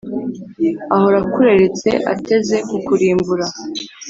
ahora akureretse, ateze kukurimbura